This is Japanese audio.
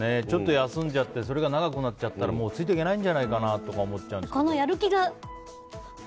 ちょっと休んでそれが長くなっちゃったらもうついていけないんじゃないかなとか思っちゃうから。